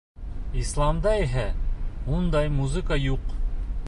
Исламда иһә ундай музыка юҡ.